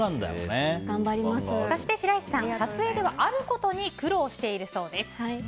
そして、白石さん撮影ではあることに苦労しているそうです。